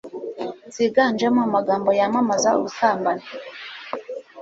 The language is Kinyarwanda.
ziganjemo amagambo yamamaza ubusambanyi